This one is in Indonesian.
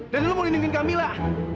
dan lo mau lindungi camilla